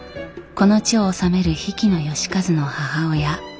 この地を治める比企能員の母親